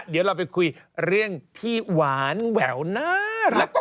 เดี๋ยวเราไปคุยเรื่องที่หวานแหววน่ารัก